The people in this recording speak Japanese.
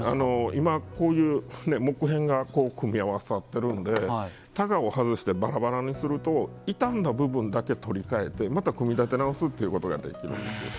今こういう木片が組み合わさってるんで箍を外してバラバラにすると傷んだ部分だけ取り替えてまた組み立て直すっていうことができるんですよ。